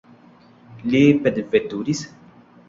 Li petveturis?